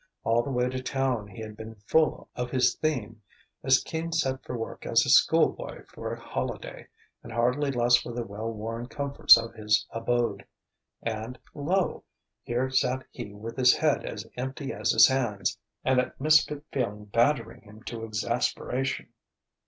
All the way to Town he had been full of his theme, as keen set for work as a schoolboy for a holiday, and hardly less for the well worn comforts of his abode. And, lo! here sat he with his head as empty as his hands, and that misfit feeling badgering him to exasperation.